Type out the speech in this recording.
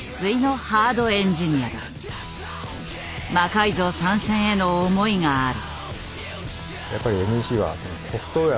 「魔改造」参戦への思いがある。